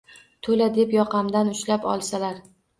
To’la deb yoqamdan ushlab olsalar